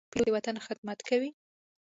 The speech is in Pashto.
پیلوټ د وطن خدمت کوي.